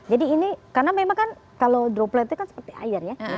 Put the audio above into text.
jadi ini karena memang kan kalau dropletnya kan seperti air ya